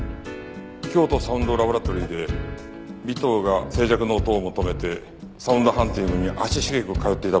京都サウンド・ラボラトリーで尾藤が静寂の音を求めてサウンドハンティングに足しげく通っていた場所を見た。